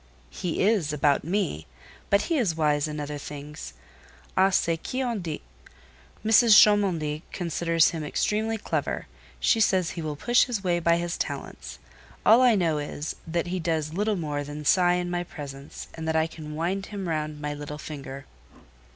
"He is, about me; but he is wise in other things, à ce qu'on dit. Mrs. Cholmondeley considers him extremely clever: she says he will push his way by his talents; all I know is, that he does little more than sigh in my presence, and that I can wind him round my little finger."